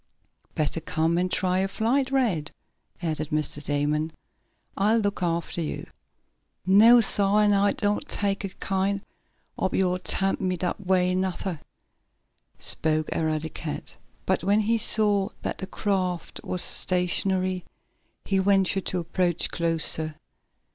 "Better come and try a flight, Rad," added Mr. Damon. "I'll look after you." "No, sah, an' I doan't take it kind ob yo' all t' tempt me dat way, nuther," spoke Eradicate. But, when he saw that the craft was stationary, he ventured to approach closer.